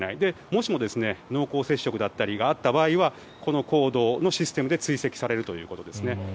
もしも濃厚接触だったりがあった場合はこのコードのシステムで追跡されるということですね。